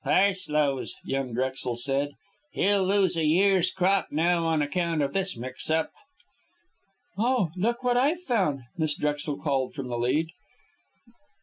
"Parslow's," young Drexel said. "He'll lose a year's crop now on account of this mix up." "Oh, look what I've found!" Miss Drexel called from the lead.